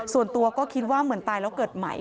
ส่วนตัวก็คิดว่าเหมือนตายแล้วเกิดใหม่